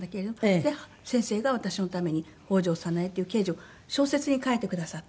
で先生が私のために北条早苗っていう刑事を小説に書いてくださった。